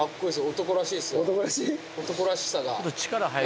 男らしさが。